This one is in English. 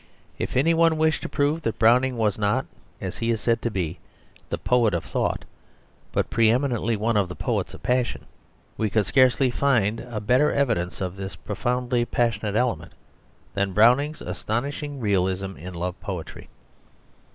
If any one wished to prove that Browning was not, as he is said to be, the poet of thought, but pre eminently one of the poets of passion, we could scarcely find a better evidence of this profoundly passionate element than Browning's astonishing realism in love poetry.